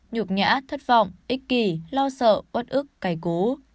nhục nhã thất vọng ích kỳ lo sợ ớt ức cày cú